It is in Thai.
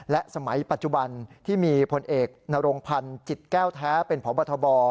และสมัยปัจจุบันที่มีพลเอกนรงพันธ์จิตแก้วแท้เป็นพบทบ